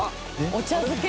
お茶漬け？